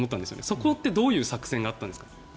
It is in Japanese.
そこってどういう作戦があったんですか？